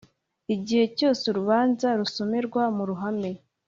Igihe cyose urubanza rusomerwa mu ruhame